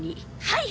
はい！